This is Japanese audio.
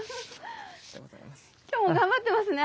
今日も頑張ってますね。